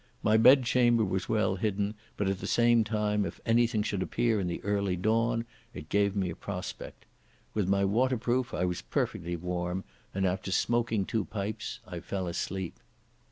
My bed chamber was well hidden, but at the same time, if anything should appear in the early dawn, it gave me a prospect. With my waterproof I was perfectly warm, and, after smoking two pipes, I fell asleep.